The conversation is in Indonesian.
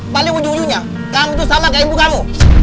paling ujung ujungnya kamu itu sama kayak ibu kamu